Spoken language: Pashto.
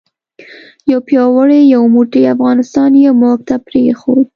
یو پیاوړی یو موټی افغانستان یې موږ ته پرېښود.